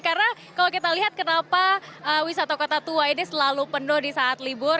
karena kalau kita lihat kenapa wisata kota tua ini selalu penuh di saat libur